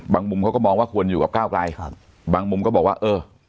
มุมเขาก็มองว่าควรอยู่กับก้าวไกลครับบางมุมก็บอกว่าเออ